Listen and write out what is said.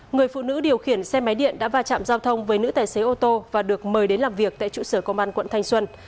người phụ nữ điều khiển xe máy điện đã va chạm giao thông với nữ tài xế ô tô và được mời đến làm việc tại trụ sở công an quận thanh xuân